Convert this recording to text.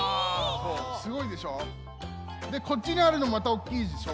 すごいでしょ？でこっちにあるのまたおっきいでしょ？